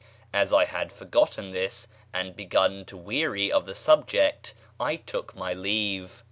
As I had forgotten this, and begun to weary of the subject, I took my leave.